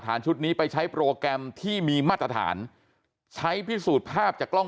ชุดนี้ไปใช้โปรแกรมที่มีมาตรฐานใช้พิสูจน์ภาพจากกล้อง